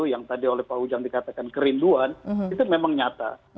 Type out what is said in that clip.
yang tadi oleh pak ujang dikatakan kerinduan itu memang nyata